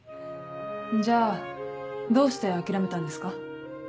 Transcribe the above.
じゃあどうして諦めたんですか？